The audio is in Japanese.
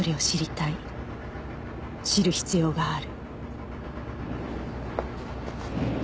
知る必要がある